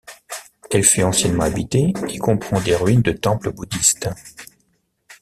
Elle fut anciennement habitée, et comprend des ruines de temples boudhistes.